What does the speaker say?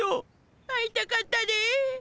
会いたかったで。